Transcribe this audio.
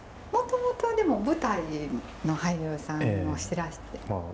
もともと舞台の俳優さんをしてらして？